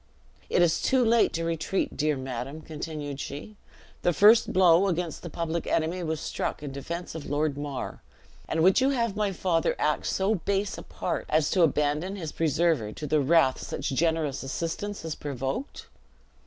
"It is too late to retreat, dear madam," continued she; "the first blow against the public enemy was struck in defense of Lord Mar; and would you have my father act so base a part, as to abandon his preserver to the wrath such generous assistance has provoked?"